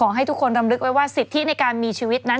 ให้ทุกคนรำลึกไว้ว่าสิทธิในการมีชีวิตนั้น